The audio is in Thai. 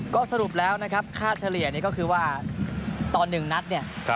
ก็สรุปแล้วนะครับค่าเฉลี่ยนี่ก็คือว่าตอน๑นัดเนี่ย